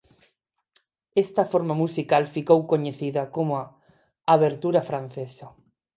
Esta forma musical ficou coñecida como "abertura francesa".